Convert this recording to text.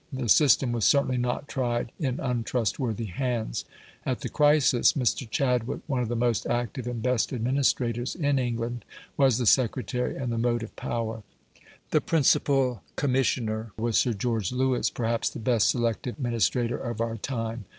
The system was certainly not tried in untrustworthy hands. At the crisis Mr. Chadwick, one of the most active and best administrators in England, was the secretary and the motive power: the principal Commissioner was Sir George Lewis, perhaps the best selective administrator of our time.